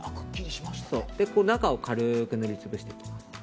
中を軽く塗り潰していきます。